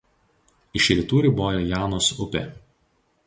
Iš rytų riboja Janos upė.